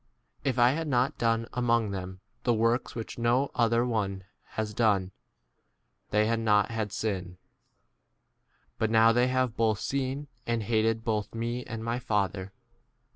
If I had not done among them the works which no other one has done, they had not had sin ; but now they have both seen and hated both me and my 25 Father.